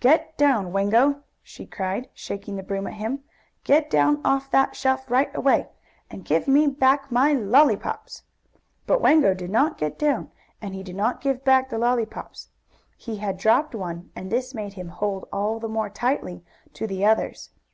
"Get down, Wango!" she cried, shaking the broom at him. "Get down off that shelf right away! And give me back my lollypops!" But Wango did not get down, and he did not give back the lollypops. He had dropped one, and this made him hold, all the more tightly, to the others.